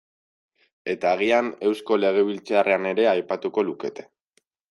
Eta agian Eusko Legebiltzarrean ere aipatuko lukete.